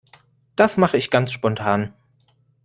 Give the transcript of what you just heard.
Das mache ich ganz spontan.